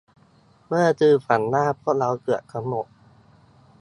เมื่อคืนฝันว่าพวกเราเกือบทั้งหมด